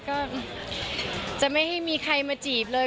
ก็จะไม่ให้มีใครมาจีบเลย